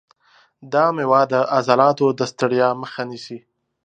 دا مېوه د عضلاتو د ستړیا مخه نیسي.